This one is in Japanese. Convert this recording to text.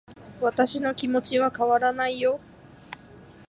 私の気持ちは変わらないよ